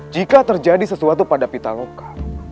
jika terjadi sesuatu pada pitaloka